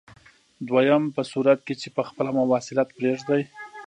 دویم په صورت کې چې په خپله مواصلت پرېږدئ.